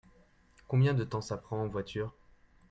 Combien de temps ça prend en voiture ?